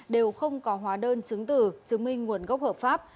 đều không có hóa đơn chứng tử chứng minh nguồn gốc hợp pháp